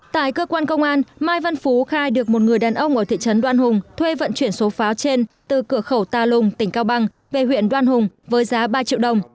tại cơ quan công an mai văn phú khai được một người đàn ông ở thị trấn đoan hùng thuê vận chuyển số pháo trên từ cửa khẩu tà lùng tỉnh cao bằng về huyện đoan hùng với giá ba triệu đồng